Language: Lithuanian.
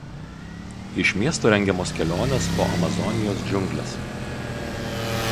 Iš miesto rengiamos kelionės po Amazonijos džiungles.